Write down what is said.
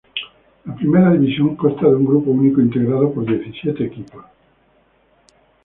La Primera División consta de un grupo único integrado por diecisiete equipos.